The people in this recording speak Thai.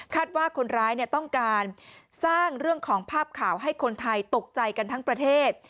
ว่าคนร้ายต้องการสร้างเรื่องของภาพข่าวให้คนไทยตกใจกันทั้งประเทศ